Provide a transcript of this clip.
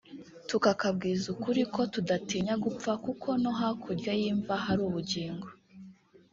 tukakabwiza ukuri ko tudatinya gupfa kuko no hakurya y’imva hari ubugingo